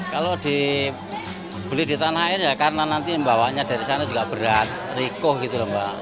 kalau dibeli di tanah air ya karena nanti membawanya dari sana juga berat rikuh gitu loh mbak